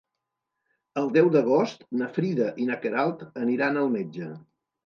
El deu d'agost na Frida i na Queralt aniran al metge.